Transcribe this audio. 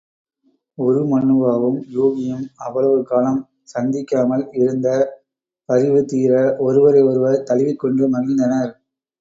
உருமண்ணுவாவும் யூகியும் அவ்வளவு காலம் சந்திக்காமல் இருந்த பரிவுதீர ஒருவரை ஒருவர் தழுவிக் கொண்டு மகிழ்ந்தனர்.